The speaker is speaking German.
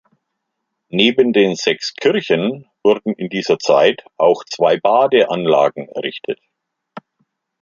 Neben den sechs Kirchen wurden in dieser Zeit auch zwei Badeanlagen errichtet.